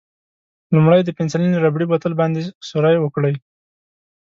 لومړی د پنسیلین ربړي بوتل باندې سوری وکړئ.